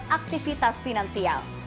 dan aktivitas finansial